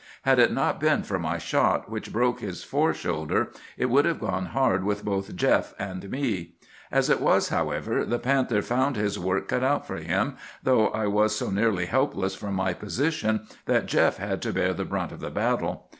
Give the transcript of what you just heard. Had it not been for my shot, which broke his fore shoulder, it would have gone hard with both Jeff and me. As it was, however, the panther found his work cut out for him, though I was so nearly helpless from my position that Jeff had to bear the brunt of the battle.